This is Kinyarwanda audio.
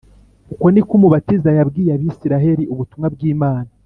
Uko niko Umubatiza yabwiye Abisiraheli ubutumwa bw’Imana